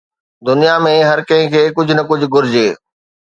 دنيا ۾ هر ڪنهن کي ڪجهه نه ڪجهه گهرجي